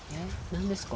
何ですか？